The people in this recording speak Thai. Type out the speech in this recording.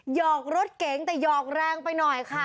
หอกรถเก๋งแต่หยอกแรงไปหน่อยค่ะ